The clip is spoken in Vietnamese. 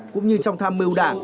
cũng như trong tham mưu đảng